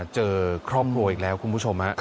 เจอครอบครัวอีกแล้วคุณผู้ชมฮะ